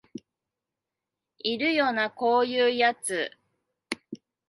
いるよなこういうやつ